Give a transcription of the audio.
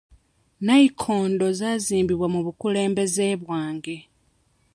Nnayikondo zaazimbibwa mu bukulembeze bwange.